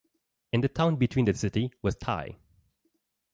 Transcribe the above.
In the town between the city was Ty